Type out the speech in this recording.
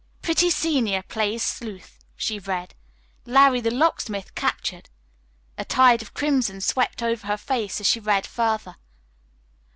"Pretty Senior Plays Sleuth," she read. "Larry, the Locksmith, Captured." A tide of crimson swept over her face as she read further.